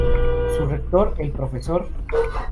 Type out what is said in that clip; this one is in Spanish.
Su Rector, el Prof.